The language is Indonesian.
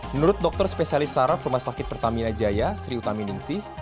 menurut dokter spesialis saraf rumah sakit pertamina jaya sri utami ningsih